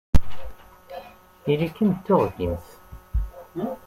Ili-kem d tuɣdimt.